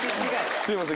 すいません。